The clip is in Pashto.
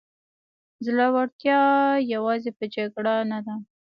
زړورتیا یوازې په جګړه نه ده.